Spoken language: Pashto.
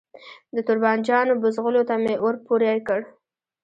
د توربانجانو بوزغلو ته می اور پوری کړ